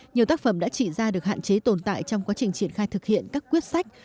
nhiều tác phẩm đã trị ra được hạn chế tồn tại trong quá trình triển khai thực hiện các quyết sách